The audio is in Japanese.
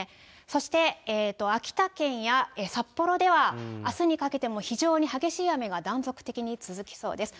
そして秋田県や札幌では、あすにかけても非常に激しい雨が断続的に続きそうです。